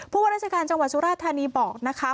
ผู้บริษัทการจังหวัดสุราชธานีบอกนะคะ